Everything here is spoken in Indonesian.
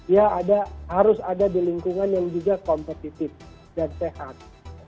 ya harus ada di lingkungan yang juga kompetitif dan sehat